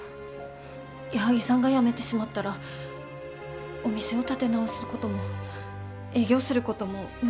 矢作さんが辞めてしまったらお店を立て直すことも営業することも無理だと思います。